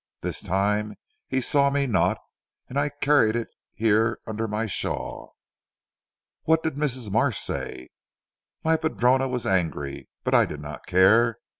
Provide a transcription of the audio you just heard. This time he saw me not, and I carried it here under my shawl." "What did Mrs. Marsh say?" "My padrona was angry. But I did not care.